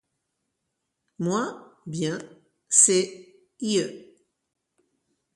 Moy, bien sçay-ie.